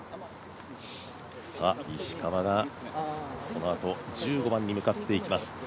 石川がこのあと１５番に向かっていきます。